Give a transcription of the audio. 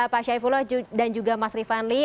pak syaifullah dan juga mas rifanli